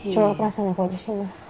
cuma perasaan aku aja sih ma